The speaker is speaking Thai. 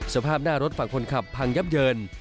สภาพหน้ารถฝั่งคนขับพังยับเยิน